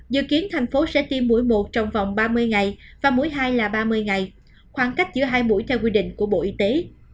dự kiến thành phố sẽ tiêm mũi một trong vòng ba mươi ngày và mũi hai là ba mươi ngày khoảng cách giữa hai mũi theo quy định của bộ y tế